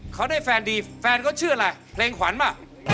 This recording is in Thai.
เขาได้แฟนดีแฟนเขาชื่ออะไรเพลงขวัญอ่ะ